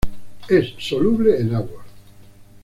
Es soluble en agua.